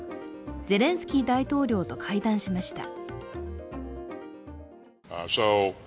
ゼレンスキー大統領と会談しました。